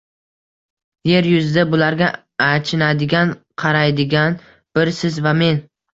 Yer yuzida bularga achinadigan, qaraydigan bir siz va men.